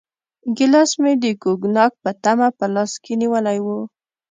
ګیلاس مې د کوګناک په تمه په لاس کې نیولی و.